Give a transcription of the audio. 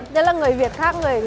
đây là người việt khác người tây cơ à